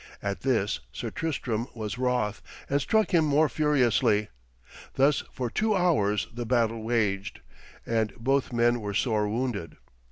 At this Sir Tristram was wroth, and struck him more furiously. Thus for two hours the battle waged, and both were sore wounded.